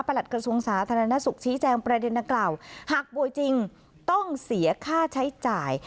กระทรวงสาธารณสุขชี้แจงประเด็นนักกล่าวหากป่วยจริงต้องเสียค่าใช้จ่าย